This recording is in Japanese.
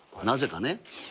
なぜかね。